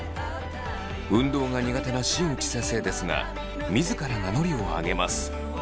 運動が苦手な新内先生ですが自ら名乗りを上げます。